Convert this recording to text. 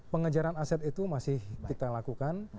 pengejaran aset itu masih kita lakukan